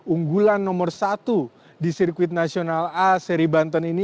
unggulan nomor satu di sirkuit nasional a seri banten ini